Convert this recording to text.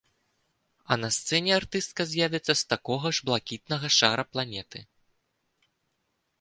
А на сцэне артыстка з'явіцца з такога ж блакітнага шара-планеты.